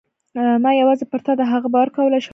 ما یوازې پر تا د هغه باور کولای شو او بس.